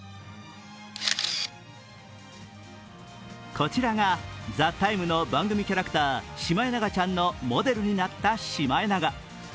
こちらが、「ＴＨＥＴＩＭＥ，」の番組キャラクター、シマエナガちゃんのモデルになったシマエナガ。